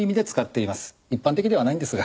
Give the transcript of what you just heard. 一般的ではないんですが。